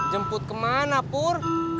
jemput ke mana pur